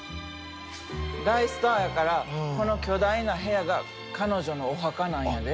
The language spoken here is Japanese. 大スターやからこの巨大な部屋が彼女のお墓なんやで。